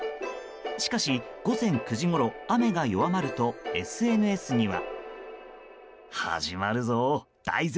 しかし、午前９時ごろ雨が弱まると、ＳＮＳには。